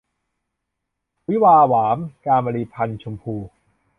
วิวาห์หวาม - จามรี พรรณชมพู